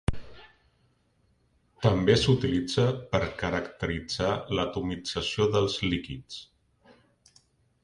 També s'utilitza per caracteritzar l'atomització dels líquids.